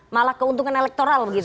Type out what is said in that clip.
malah keuntungan elektoral gitu